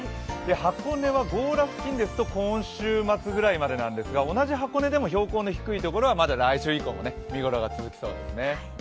箱根は強羅付近ですと今週末ぐらいまでなんですが同じ箱根でも標高が低いところはまだ来週以降も見頃が続きそうですね。